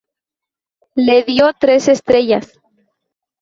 Le dio tres estrellas.